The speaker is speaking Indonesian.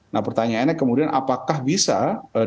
nah pertanyaannya kemudian apakah bisa